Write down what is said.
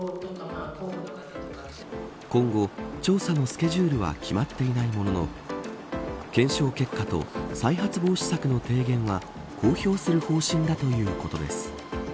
今後、調査のスケジュールは決まっていないものの検証結果と再発防止策の提言は公表する方針だということです。